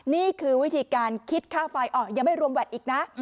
นี่คือวิธีการคิดค่าไฟยังไม่รวมแวดอีกนะ